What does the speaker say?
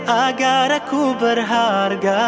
agar aku berharga